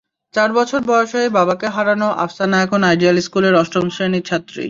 চার বছর বয়সেই বাবাকে হারানো আফসানা এখন আইডিয়াল স্কুলের অষ্টম শ্রেণির ছাত্রী।